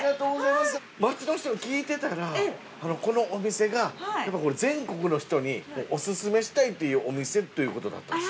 街の人に聞いてたらこのお店が全国の人にオススメしたいというお店ということだったんです。